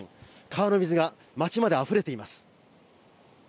川の水が町まで溢れています。